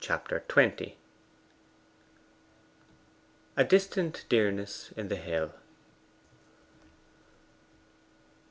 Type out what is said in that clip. Chapter XX 'A distant dearness in the hill.